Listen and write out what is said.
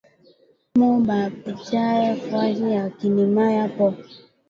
Mu ba pachiye fwashi ya kurimiya po